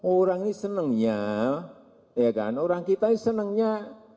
orang ini senangnya ya kan orang kita ini senangnya